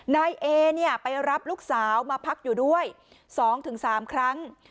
นายเอเนี่ยไปรับลูกสาวมาพักอยู่ด้วย๒๓ครั้ง